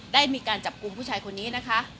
ได้มีการจับกลุ่มผู้ชายคนนี้นะคะ